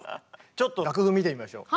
ちょっと楽譜見てみましょう。